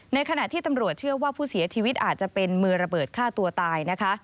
ขณะที่ตำรวจเชื่อว่าผู้เสียชีวิตอาจจะเป็นมือระเบิดฆ่าตัวตายนะคะ